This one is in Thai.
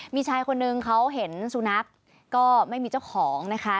มีชายคนนึงเขาเห็นสุนัขก็ไม่มีเจ้าของนะคะ